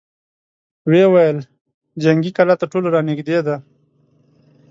ويې ويل: جنګي کلا تر ټولو را نېږدې ده!